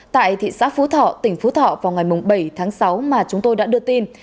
tại thị xã phú thọ tỉnh phú thọ vào ngày bảy tháng sáu mà chúng tôi đã đưa tin